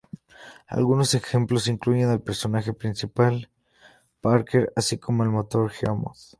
Algunos ejemplos incluyen al personaje principal Parker así como el motor Geo-Mod.